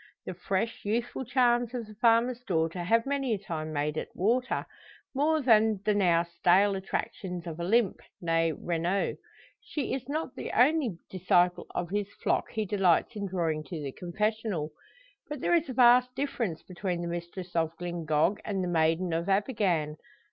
The fresh, youthful charms of the farmer's daughter have many a time made it water, more than the now stale attractions of Olympe, nee Renault. She is not the only disciple of his flock he delights in drawing to the confessional. But there is a vast difference between the mistress of Glyngog and the maiden of Abergann.